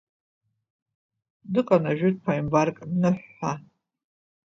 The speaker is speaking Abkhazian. Дыҟан ажәытә ԥаимбарк Ныҳә ҳәа.